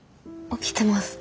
起きてます。